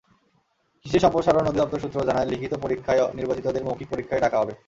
কৃষি সম্প্রসারণ অধিদপ্তর সূত্র জানায়, লিখিত পরীক্ষায় নির্বাচিতদের মৌখিক পরীক্ষায় ডাকা হবে।